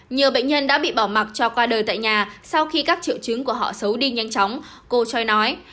nhiều bệnh nhân đã bị bỏ mặt cho qua đời tại nhà sau khi các triệu chứng của họ xấu đi nhanh chóng cô cho nói